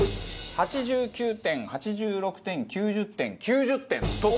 ８９点８６点９０点９０点ほう。